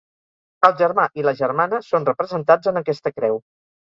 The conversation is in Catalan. El germà i la germana són representats en aquesta creu.